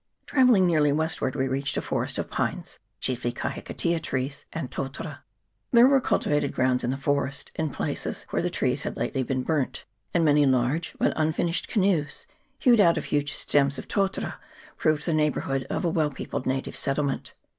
Travelling nearly westward, we reached a forest of pines, chiefly kahikatea trees and totara. There were cultivated grounds in the forest in places where the trees had lately been burnt ; and many large but unfinished canoes, hewn out of huge stems of totara, proved the neighbourhood of a well peopled native settlement.